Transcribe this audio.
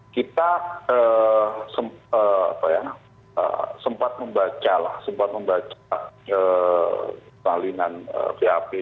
kita sempat membaca salinan vap